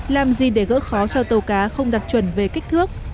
làm gì để gỡ khó cho tàu cá không đặt chuẩn về kích thước